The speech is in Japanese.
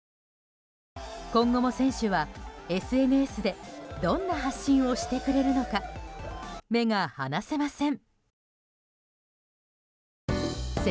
今後も選手はＳＮＳでどんな発信をしてくれるのか目が離せません。